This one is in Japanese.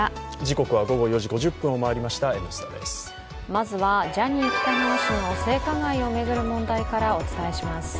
まずはジャニー喜多川氏の性加害を巡る問題からお伝えします。